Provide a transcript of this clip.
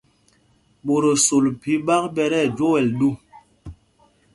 Ɓot o sol phī ɓak ɓɛ tí ɛgwoɛl ɗu.